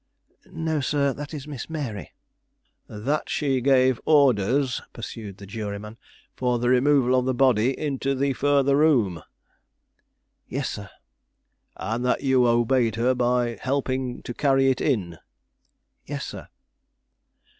"No, sir, that is Miss Mary." "That she gave orders," pursued the juryman, "for the removal of the body into the further room?" "Yes, sir." "And that you obeyed her by helping to carry it in?" "Yes, sir."